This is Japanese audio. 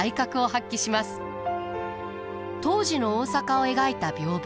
当時の大阪を描いた屏風。